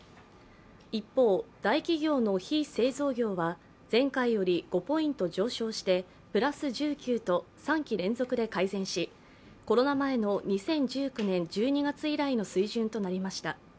一方、大企業の非製造業は前回より５ポイント上昇してプラス１９と３期連続で改善し、コロナ前の２０１９年１２月以来の水準となりました。